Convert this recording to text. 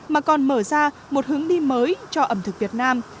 mà còn mở ra một hướng đi mới cho ẩm thực việt nam